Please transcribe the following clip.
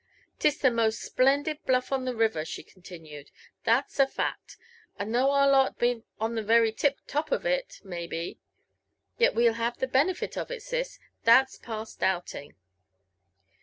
Tis the most splendid bludon theriVer," she continued, '' that's a fact ; and though our lot bean*t on the very tip lop of it, maybe, yet we'll have the benefit of it, sis, that's past doubling."